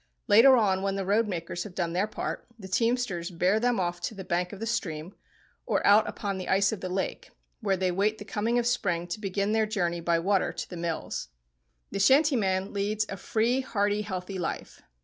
Later on, when the road makers have done their part, the teamsters bear them off to the bank of the stream or out upon the ice of the lake, where they wait the coming of spring to begin their journey by water to the mills. The shantyman leads a free, hearty, healthy life.